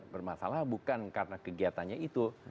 bermasalah bukan karena kegiatannya itu